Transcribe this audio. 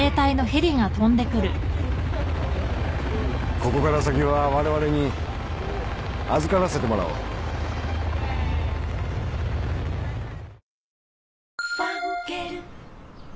ここから先は我々に預からせてもらおう女性）